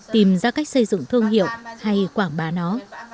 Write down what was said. tìm ra cách xây dựng thương hiệu hay quảng bá nó